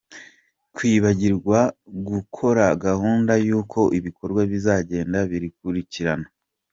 Kwibagirwa gukora gahunda y’uko ibikorwa bizagenda bikurikirana.